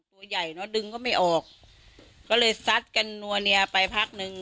ตัวใหญ่เนอะดึงก็ไม่ออกก็เลยซัดกันนัวเนียไปพักนึง